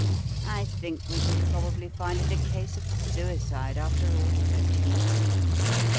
I think we shall probably find it a case of suicide after all, don't you know."